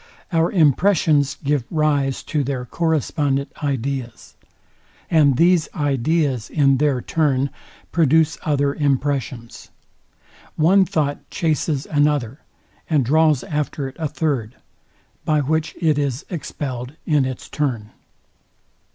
Our impressions give rise to their correspondent ideas; said these ideas in their turn produce other impressions. One thought chaces another, and draws after it a third, by which it is expelled in its turn.